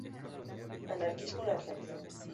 Anarquismo en Argentina